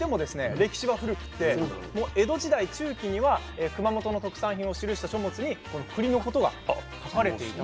歴史は古くてもう江戸時代中期には熊本の特産品を記した書物にこのくりのことが書かれていたと。